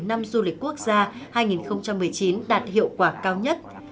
năm du lịch quốc gia hai nghìn một mươi chín đạt hiệu quả cao nhất